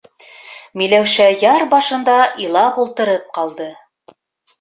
Миләүшә яр башында илап ултырып ҡалды.